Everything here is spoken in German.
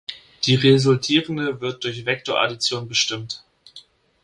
Die Resultierende wird durch Vektoraddition bestimmt.